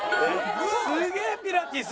すげえピラティス。